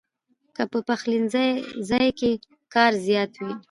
کۀ پۀ پخلي ځائے کښې کار زيات وي